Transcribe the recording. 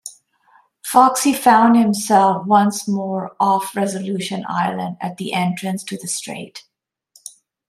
Foxe found himself once more off Resolution Island, at the entrance to the strait.